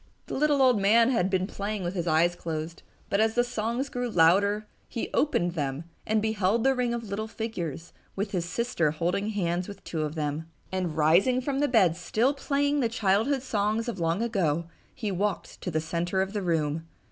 The little old man had been playing with his eyes closed, but as the songs grew louder he opened them and beheld the ring of little figures, with his sister holding hands with two of them. And, rising from the bed, still playing the childhood songs of long ago, he walked to the center of the room.